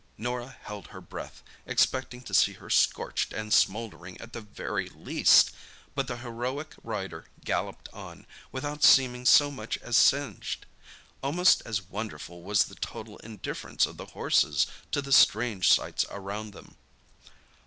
Norah held her breath, expecting to see her scorched and smouldering at the very least; but the heroic rider galloped on, without seeming so much as singed. Almost as wonderful was the total indifference of the horses to the strange sights around them.